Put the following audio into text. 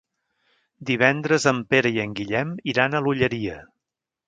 Divendres en Pere i en Guillem iran a l'Olleria.